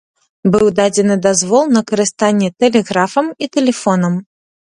Быў дадзены дазвол на карыстанне тэлеграфам і тэлефонам.